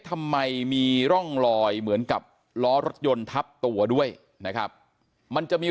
ทำไมมีร่องรอยเหมือนกับล้อรถยนต์ทับตัวด้วยนะครับมันจะมี